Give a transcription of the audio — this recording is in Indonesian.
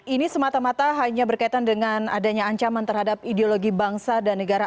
ini semata mata hanya berkaitan dengan adanya ancaman terhadap ideologi bangsa dan negara